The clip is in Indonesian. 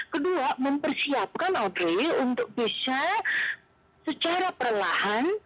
kedua mempersiapkan audrey untuk bisa secara perlahan